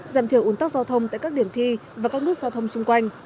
giảm thiểu ủn tắc giao thông tại các điểm thi và các nút giao thông xung quanh